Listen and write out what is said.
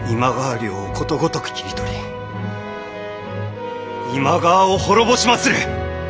領をことごとく切り取り今川を滅ぼしまする！